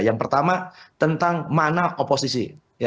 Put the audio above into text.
yang pertama tentang mana oposisi